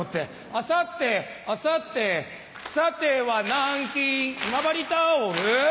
アさてアさてさては南京今治タオル